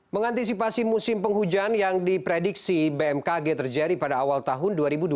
mengantisipasi musim penghujan yang diprediksi bmkg terjadi pada awal tahun dua ribu dua puluh